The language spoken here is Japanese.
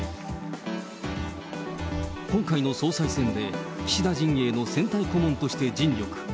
今回の総裁選で、岸田陣営の選対顧問として尽力。